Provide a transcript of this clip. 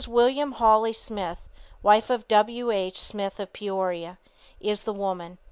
William Hawley Smith, wife of Dr. W.H. Smith of Peoria, is the woman.